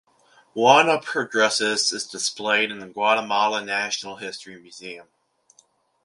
One of her dresses is displayed in the Guatemalan National History Museum.